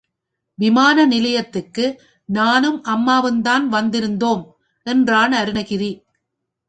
விமான நிலையத்துக்கு நானும் அம்மாவும்தான் வந்திருந்தோம், என்றான் அருணகிரி.